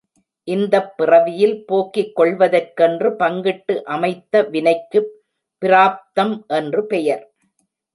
இந்தப் பிறவியில் போக்கிக் கொள்வதற்கென்று பங்கிட்டு அமைத்த வினைக்குப் பிராரப்தம் என்று பெயர்.